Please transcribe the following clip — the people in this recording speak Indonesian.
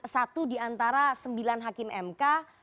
satu diantara sembilan hakim mk